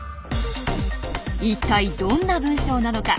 一体どんな文章なのか？